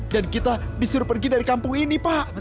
dan kita disuruh pergi dari kampung ini pak